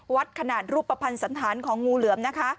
วัดขนาดรูปภัณฑ์สันธารของงูเหลือมนะคะ